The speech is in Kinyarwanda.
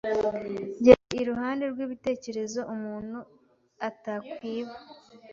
Byari iruhande rw'ibitekerezo umuntu atakwiba.